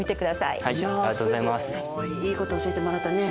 いいこと教えてもらったね。